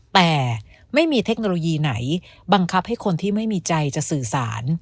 แต่ไม่มีเทคโนโลยีไหนบังคับให้คนที่ไม่มีใจจะสื่อสาร